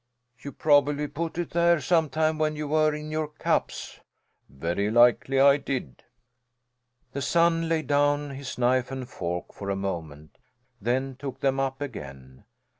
"You probably put it there some time when you were in your cups." "Very likely I did." The son laid down his knife and fork for a moment, then took them up again.